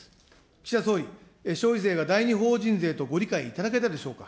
岸田総理、消費税が第二法人税とご理解いただけたでしょうか。